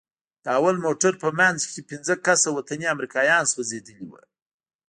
د اول موټر په منځ کښې پنځه کسه وطني امريکايان سوځېدلي وو.